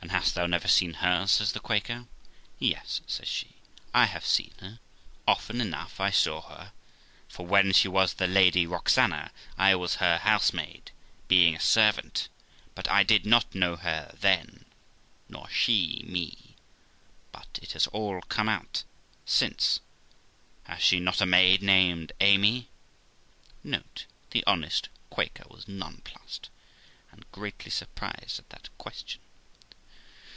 'And hast thou never seen her?' says the Quaker. 'Yes', says she; 'I have seen her; often enough I saw her; for when she was the Lady Roxana I was her housemaid, being a servant, but I did not know her then, nor she me; but it has all come out since. Has she not a maid named Amy?' Note The honest Quaker was nonplussed, and greatly surprised at that question.